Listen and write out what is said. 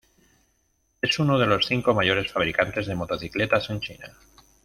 Es uno de los cinco mayores fabricantes de motocicletas en China.